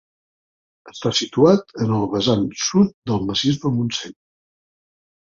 Està situat en el vessant sud del Massís del Montseny.